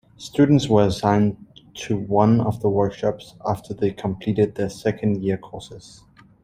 Students were assigned to one of the workshops after they completed their second-year courses.